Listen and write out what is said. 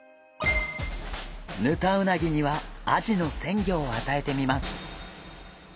ヌタウナギにはアジの鮮魚をあたえてみます。